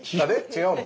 違うの？